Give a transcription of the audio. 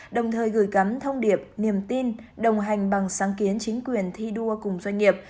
đồng thời gửi gắm thông điệp niềm tin đồng hành bằng sáng kiến chính quyền thi đua cùng doanh nghiệp